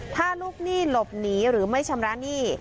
ถ้าลูกหนี้หลบหนีหรือไม่ชำระหนี้